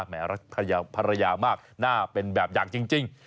รักภรรยามากน่าเป็นแบบอย่างจริง